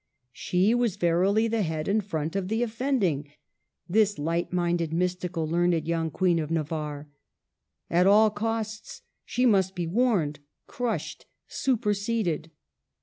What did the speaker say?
She was verily the head and front of the offending, this light minded, mystical, learned young Queen of Navarre. At all costs, she must be warned, crushed, superseded.